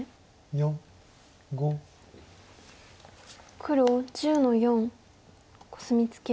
黒１０の四コスミツケ。